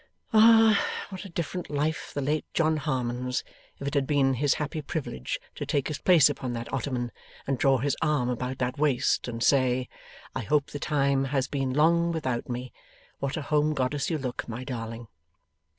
Ah! what a different life the late John Harmon's, if it had been his happy privilege to take his place upon that ottoman, and draw his arm about that waist, and say, 'I hope the time has been long without me? What a Home Goddess you look, my darling!